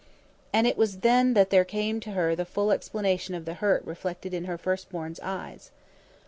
And it was then that there came to her the full explanation of the hurt reflected in her firstborn's eyes.